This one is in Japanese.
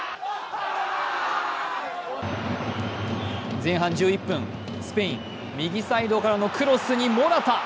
前半１１分、スペイン、右サイドからのクロスにモラタ。